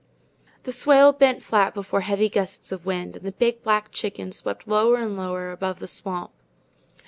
The swale bent flat before heavy gusts of wind, and the big black chicken swept lower and lower above the swamp.